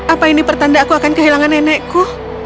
apa ini pertanda aku akan kehilangan nenekku